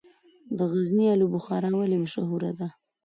د غزني الو بخارا ولې مشهوره ده؟